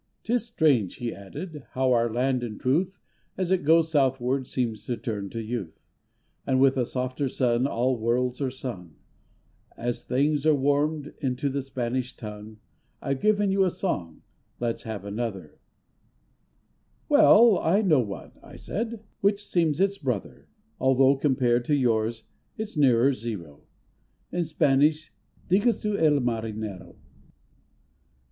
'Tis strange, he added, how our land, in truth, As it goes Southward seems to turn to youth, And with a softer sun all words are sung— As things are warmed—into the Spanish tongue: I've given you a song, let's have another; "Well, I know one," I said, "which seems its brother, Although, compared to yours, it's nearer zero, In Spanish, _Digas tu el marinero!